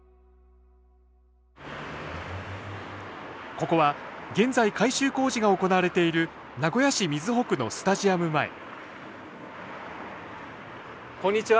ここは現在改修工事が行われている名古屋市瑞穂区のスタジアム前こんにちは